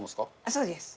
そうです。